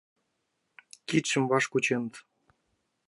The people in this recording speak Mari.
Кидыштым ваш кученыт.